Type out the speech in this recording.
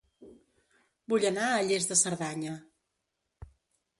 Vull anar a Lles de Cerdanya